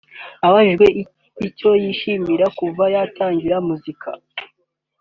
Abajijwe icyo yishimira kuva batangira muzika